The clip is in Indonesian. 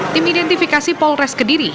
tim identifikasi polres kediri